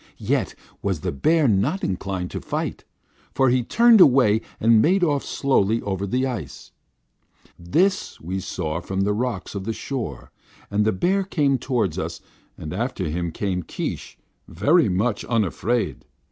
"Yet was the bear not inclined to fight, for he turned away and made off slowly over the ice. This we saw from the rocks of the shore, and the bear came toward us, and after him came Keesh, very much unafraid.